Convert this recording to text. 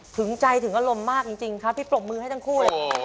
ถึงใจถึงอารมณ์มากจริงครับพี่ปรบมือให้ทั้งคู่เลย